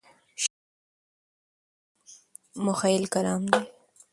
شعر موزون او مخیل کلام دی.